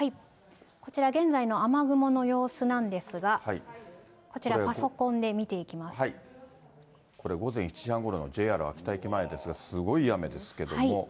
こちら現在の雨雲の様子なんですが、こちら、パソコンで見てこれ、午前７時半ごろのＪＲ秋田駅前ですが、すごい雨ですけども。